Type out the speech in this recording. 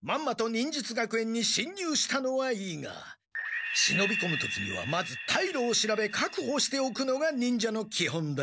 忍術学園にしんにゅうしたのはいいが忍びこむ時にはまずたいろを調べかくほしておくのが忍者のきほんだろう。